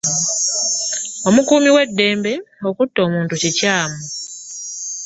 Omukuumi weddembe okutta omuntu kikyamu.